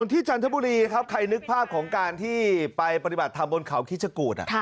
ที่จันทบุรีใครนึกภาพของการที่ไปประดิบัติทำบนเขาขี้จากูฬ